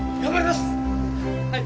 はい！